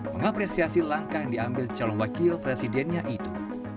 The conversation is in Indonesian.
mengapresiasi langkah yang diambil calon wakil presidennya itu